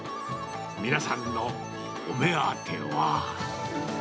皆さんのお目当ては。